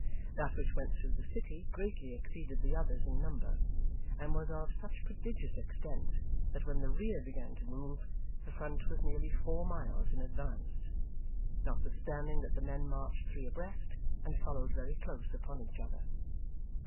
That which went through the City greatly exceeded the others in number, and was of such prodigious extent that when the rear began to move, the front was nearly four miles in advance, notwithstanding that the men marched three abreast and followed very close upon each other.